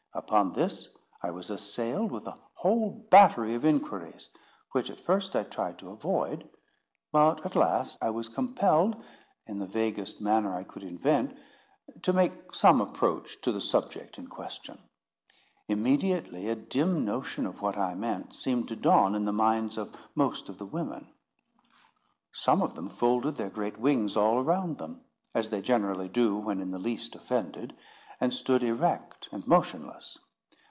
Upon this I was assailed with a whole battery of inquiries, which at first I tried to avoid; but, at last, I was compelled, in the vaguest manner I could invent, to make some approach to the subject in question. Immediately a dim notion of what I meant, seemed to dawn in the minds of most of the women. Some of them folded their great wings all around them, as they generally do when in the least offended, and stood erect and motionless.